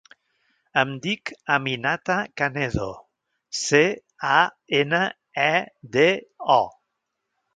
Em dic Aminata Canedo: ce, a, ena, e, de, o.